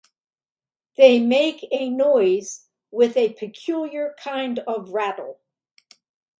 They make a noise with a peculiar kind of rattle.